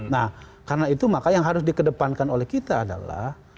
nah karena itu maka yang harus dikedepankan oleh kita adalah